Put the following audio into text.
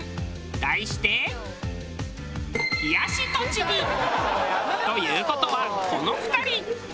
題して。という事はこの２人。